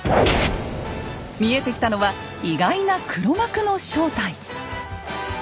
見えてきたのは意外な黒幕の正体！